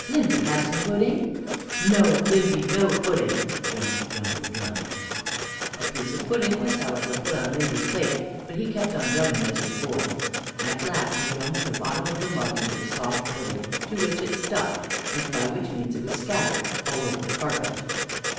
Limby, have some pudding?" "No, Limby no pudding!" Drum! drum! drum! A piece of pudding was, however, put on Limby's plate, but he kept on drumming as before. At last he drummed the bottom of the mug into the soft pudding, to which it stuck, and by which means it was scattered all over the carpet.